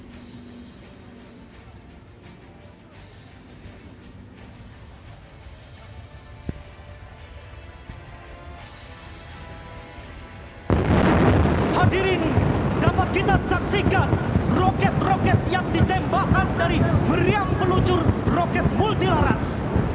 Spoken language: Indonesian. hai hadirin dapat kita saksikan roket roket yang ditembakkan dari beriang pelucur roket multilaras